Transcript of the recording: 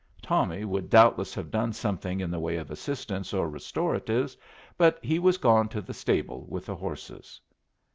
Tommy would doubtless have done something in the way of assistance or restoratives, but he was gone to the stable with the horses.